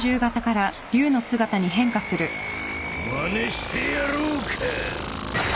まねしてやろうか。